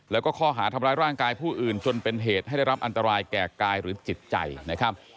แล้วก็ข้อหาทำร้ายร่างกายผู้อื่นจนเป็นเหตุให้ได้รับอันตรายแก่กายหรือจิตใจนะครับ